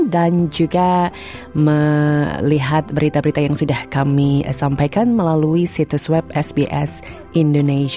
dan juga melihat berita berita yang sudah kami sampaikan melalui situs web sbs indonesia